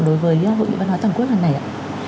đối với hội nghị văn hóa toàn quốc hôm nay ạ